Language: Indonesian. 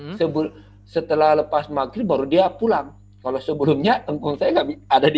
jam enam gitu sebelum setelah lepas maghrib baru dia pulang kalau sebelumnya engkong saya gak ada di